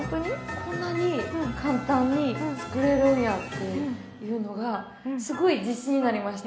こんなに簡単に作れるんやっていうのがすごい自信になりました。